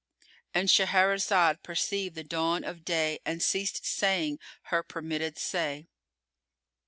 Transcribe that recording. ——And Shahrazad perceived the dawn of day and ceased saying her permitted say.